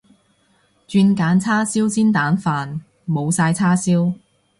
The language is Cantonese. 轉揀叉燒煎蛋飯，冇晒叉燒